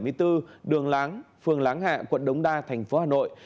hộ khẩu thường chú tại sáu trăm bảy mươi bốn đường láng hạ quận đống đa tp hà nội